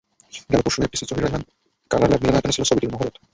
গেল পরশু এফডিসির জহির রায়হার কালার ল্যাব মিলনায়তনে ছিল ছবিটির মহরত।